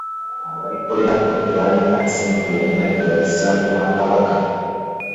Abalikolerako tebalina nsimbi yonna gye bazza mu Bwakabaka.